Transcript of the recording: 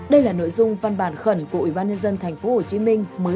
đây là nội dung văn bản khẩn của ủy ban nhân dân tp hcm mới